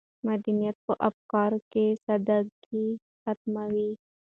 مدنیت په افکارو کې سادګي ختموي.